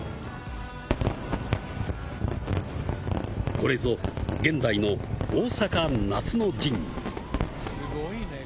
これぞ、現代の大阪夏の陣。